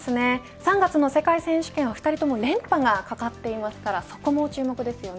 ３月の世界選手権は２人とも連覇が懸かっていますからそこも注目ですよね。